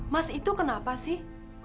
mas itu kenapa sih